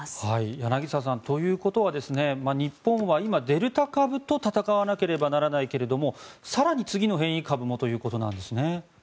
柳澤さんということは日本は今デルタ株と闘わなければいけないけど更に次の変異株もということなんですね。